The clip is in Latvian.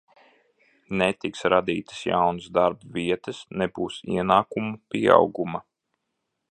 Netiks radītas jaunas darba vietas, nebūs ienākumu pieauguma.